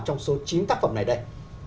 trong số chín tác phẩm này đây